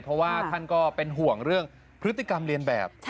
เพราะว่าท่านก็เป็นห่วงเรื่องพฤติกรรมเรียนแบบ